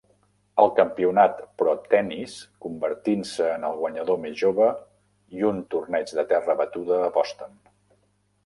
el campionat Pro Tennis, convertint-se en el guanyador més jove, i un torneig de terra batuda a Boston.